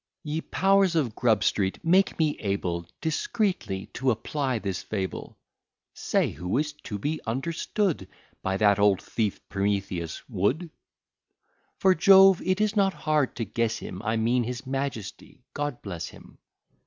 Ye powers of Grub Street, make me able Discreetly to apply this fable; Say, who is to be understood By that old thief Prometheus? Wood. For Jove, it is not hard to guess him; I mean his majesty, God bless him.